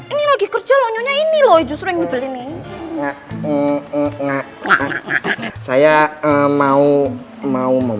ini lagi kerja lo nyonya ini lo justru yang dibeli nih enggak enggak enggak saya mau mau mau